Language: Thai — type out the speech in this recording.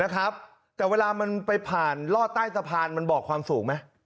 แต่เวลามันไปผ่านลอดใต้สะพานมันบอกความสูงไหม